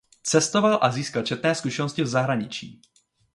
Cestoval a získal četné zkušenosti v zahraničí.